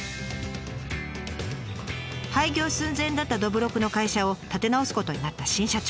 廃業寸前だったどぶろくの会社を立て直すことになった新社長。